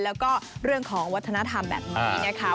แล้วก็เรื่องของวัฒนธรรมแบบนี้นะคะ